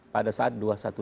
pada saat dua ratus dua belas